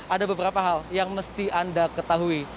ada beberapa hal yang mesti anda ketahui